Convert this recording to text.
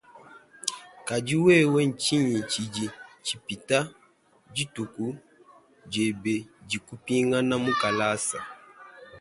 Kadi wewe tshingi tshidi tshipita dithuku diebe di kupingana mukalasa?